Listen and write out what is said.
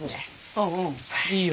うんうんいいよ。